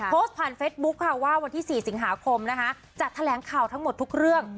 โพสต์ผ่านเฟสบุ๊คค่ะว่าวันที่๔สิงหาคมนะคะจะแถลงข่าวทั้งหมดทุกเรื่อง